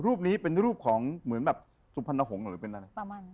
รูปนี้เป็นรูปของสุพรรณหงษ์เหรอเป็นอะไร